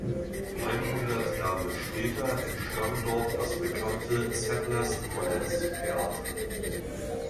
Einhundert Jahre später entstand dort das bekannte Sadler's Wells Theater.